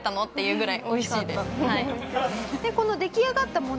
この出来上がったものをですね